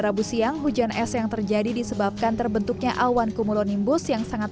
rabu siang hujan es yang terjadi disebabkan terbentuknya awan cumulonimbus yang sangat